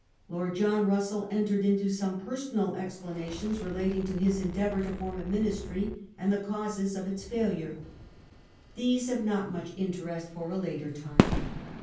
Lord John Russell entered into some personal explanations re lating to his endeavour to form a Ministry, and the causes of its failure. These have not much interest for a later time.